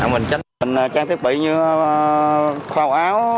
mình tránh trang thiết bị như kho áo